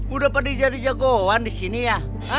udah pernah jadi jagoan di sini ya